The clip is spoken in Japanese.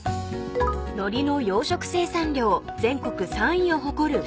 ［ノリの養殖生産量全国３位を誇る福岡県］